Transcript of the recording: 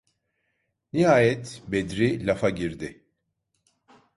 Nihayet Bedri lafa girdi: